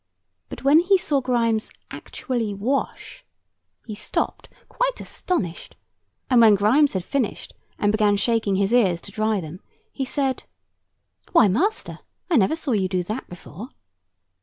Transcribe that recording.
But when he saw Grimes actually wash, he stopped, quite astonished; and when Grimes had finished, and began shaking his ears to dry them, he said: "Why, master, I never saw you do that before."